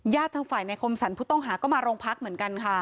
ทางฝ่ายในคมสรรผู้ต้องหาก็มาโรงพักเหมือนกันค่ะ